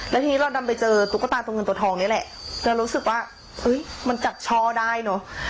แล้วทีนี้เราดันไปเจอตุ๊กตาตัวเงินตัวทองนี่แหละจะรู้สึกว่าเฮ้ยมันจัดช่อได้เนอะ